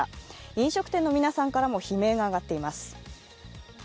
飲食店の皆さんからも悲鳴が上がっています。